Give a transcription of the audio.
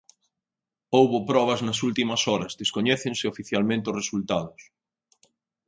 Houbo probas nas últimas horas, descoñécense oficialmente os resultados.